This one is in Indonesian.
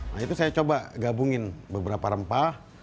nah itu saya coba gabungin beberapa rempah